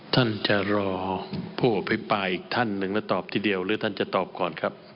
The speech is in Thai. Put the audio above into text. ท่านจะรอผู้อภิปรายอีกท่านหนึ่งและตอบทีเดียวหรือท่านจะตอบก่อนครับ